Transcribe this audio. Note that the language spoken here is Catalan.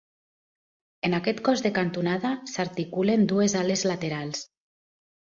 En aquest cos de cantonada s'articulen dues ales laterals.